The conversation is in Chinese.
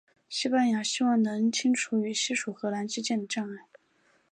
西班牙希望能清除与西属荷兰之间的障碍。